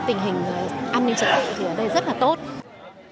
tình hình an ninh trật tự thì ở đây rất là tốt